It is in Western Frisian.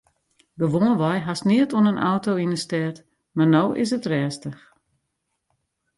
Gewoanwei hast neat oan in auto yn 'e stêd mar no is it rêstich.